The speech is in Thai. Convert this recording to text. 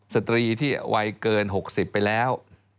สตรีที่วัยเกิน๖๐ไปแล้ว